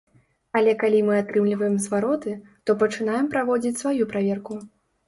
Але калі мы атрымліваем звароты, то пачынаем праводзіць сваю праверку.